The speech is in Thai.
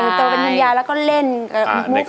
แต่งตัวเป็นคุณยายแล้วก็เล่นมุกกับแขก